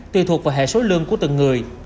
tùy thuộc vào hệ số lương của từng người